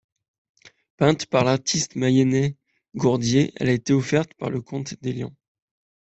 Peinte par l'artiste mayennais Gourdier, elle a été offerte par le comte d'Héliand.